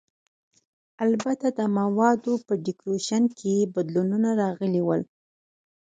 البته د موادو په ډیکورېشن کې بدلونونه راغلي ول.